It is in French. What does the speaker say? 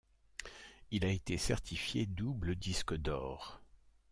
Il a été certifié double disque d'or.